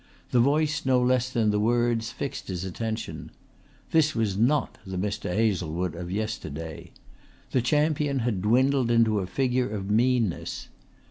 The voice no less than the words fixed his attention. This was not the Mr. Hazlewood of yesterday. The champion had dwindled into a figure of meanness.